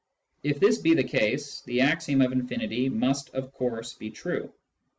If this be the case, the axiom of infinity must of course be true.